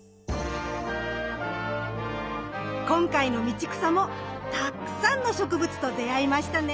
今回の道草もたくさんの植物と出会いましたね。